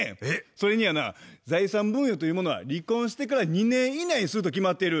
それにやな財産分与というものは離婚してから２年以内にすると決まっている。